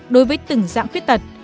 đối với từng dạng khuyết tật